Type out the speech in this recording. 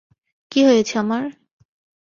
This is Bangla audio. কী হয়েছে আমার?